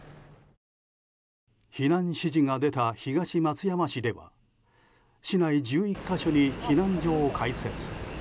避難指示が出た東松山市では市内１１か所に避難所を開設。